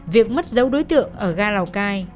việc mất dấu đối tượng ở ga lào cai